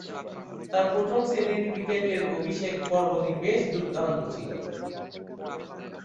তার প্রথম-শ্রেণীর ক্রিকেটের অভিষেক পর্বটি বেশ দূর্দান্ত ছিল।